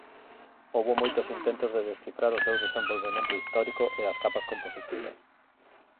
Houbo moitos intentos de descifrar o seu desenvolvemento histórico e as capas compositivas.